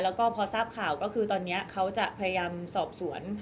แล้วก็พอทราบข่าวก็คือตอนนี้เขาจะพยายามสอบสวน